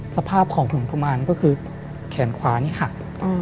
สภาพของถุงกุมารก็คือแขนขวานี่หัก